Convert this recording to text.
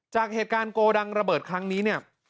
จากเหตุการณ์โกดังระเบิดครั้งนี้เนี่ย